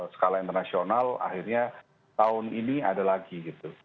skala internasional akhirnya tahun ini ada lagi gitu